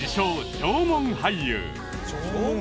縄文俳優